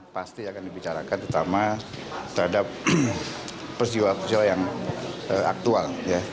pasti akan dibicarakan terutama terhadap persiwa persiwa yang aktual